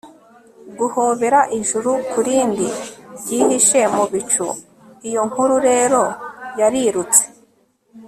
guhobera ijuru kurindi ryihishe mu bicu. iyo nkuru rero yarirutse